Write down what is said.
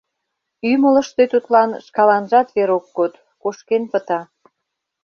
Ӱмылыштӧ тудлан шкаланжат вер ок код, кошкен пыта.